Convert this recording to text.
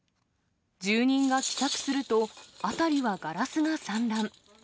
住人が帰宅すると、辺りはガラスが散乱。